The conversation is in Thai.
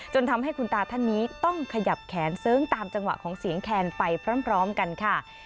ทำให้คุณตาท่านนี้ต้องขยับแขนเสิร์งตามจังหวะของเสียงแคนไปพร้อมกันค่ะ